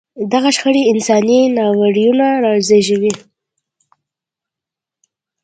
دغه شخړې انساني ناورینونه زېږوي.